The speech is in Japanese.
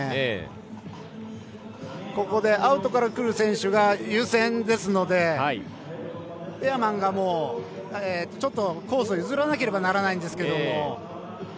ここで、アウトから来る選手が優先ですのでペアマンがコースを譲らなければならないんですけど。